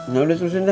nah udah terusin dah